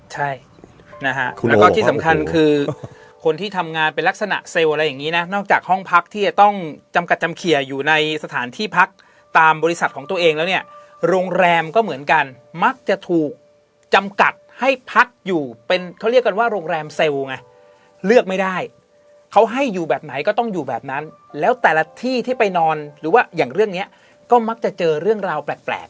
ใช่นะฮะแล้วก็ที่สำคัญคือคนที่ทำงานเป็นลักษณะเซลล์อะไรอย่างนี้นะนอกจากห้องพักที่จะต้องจำกัดจำเขียอยู่ในสถานที่พักตามบริษัทของตัวเองแล้วเนี่ยโรงแรมก็เหมือนกันมักจะถูกจำกัดให้พักอยู่เป็นเขาเรียกกันว่าโรงแรมเซลล์ไงเลือกไม่ได้เขาให้อยู่แบบไหนก็ต้องอยู่แบบนั้นแล้วแต่ละที่ที่ไปนอนหรือว่าอย่างเรื่องนี้ก็มักจะเจอเรื่องราวแปลก